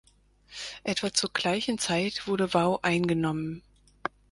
Etwa zur gleichen Zeit wurde Wau eingenommen.